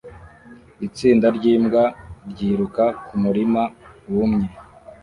Itsinda ryimbwa ryiruka kumurima wumye